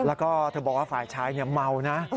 แล้วก็เธอบอกว่าฝ่ายชายเมานะ